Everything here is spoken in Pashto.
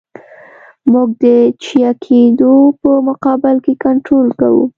موږ د چپه کېدو په مقابل کې کنټرول کوو